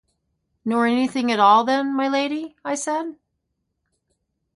‘Nor anything at all, then, my lady?’ I said.